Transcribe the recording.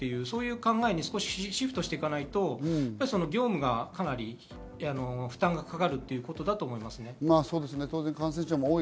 そういう考えにシフトしていかないと業務に負担がかかるということだと思います。